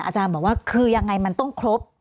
อาจารย์บอกว่าคือยังไงมันต้องครบ